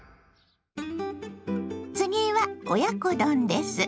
次は親子丼です。